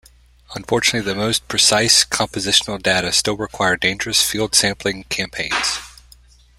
Unfortunately, the most precise compositional data still require dangerous field sampling campaigns.